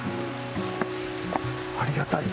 ありがたいね。